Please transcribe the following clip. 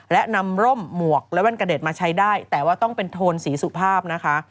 และนำร่มหมวกและแว่นกระเด็ดมาใช้ได้แต่ว่าต้องเป็นโทนสีสุภาพนะคะ